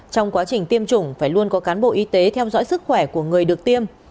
trong quá trình tiêm chủng phải luôn có cán bộ y tế theo dõi sức khỏe của người được tiêm